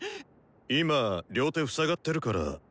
今両手塞がってるから。